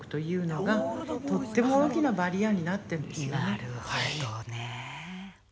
なるほどね。